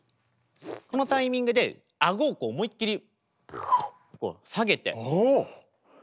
このタイミングであごを思いっきり下げて。